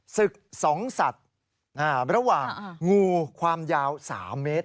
ศึกสองสัตว์ระหว่างงูความยาว๓เมตร